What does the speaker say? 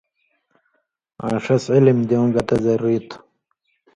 آں ݜس علم دېوں گتہ ضروری تُھو